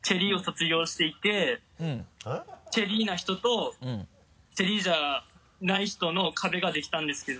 チェリーな人とチェリーじゃない人の壁ができたんですけど。